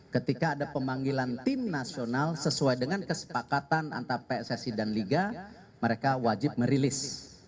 ketika ada pemanggilan tim nasional sesuai dengan kesepakatan antar pssi dan liga mereka wajib merilis